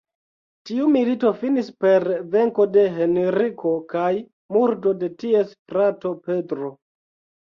Tiu milito finis per venko de Henriko kaj murdo de ties frato Pedro.